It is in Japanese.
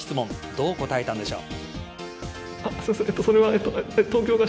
どう答えたんでしょう。